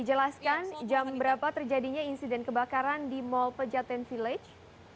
jelaskan jam berapa terjadinya insiden kebakaran di mall pejaten village